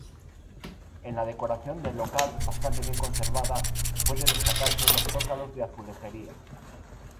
En la decoración del local, bastante bien conservada, puede destacarse los zócalos de azulejería.